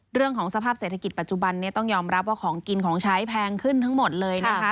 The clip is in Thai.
เรื่องของสภาพเศรษฐกิจปัจจุบันนี้ต้องยอมรับว่าของกินของใช้แพงขึ้นทั้งหมดเลยนะคะ